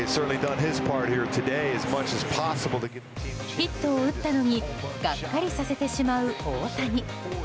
ヒットを打ったのにがっかりさせてしまう大谷。